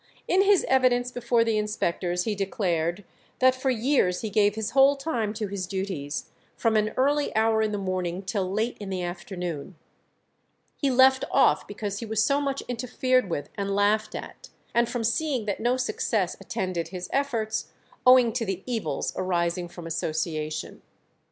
In his evidence before the inspectors he declared that "for years he gave his whole time to his duties, from an early hour in the morning till late in the afternoon. He left off because he was so much interfered with and laughed at, and from seeing that no success attended his efforts, owing to the evils arising from association."